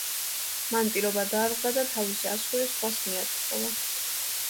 მან პირობა დაარღვია და თავისი ასული სხვას მიათხოვა.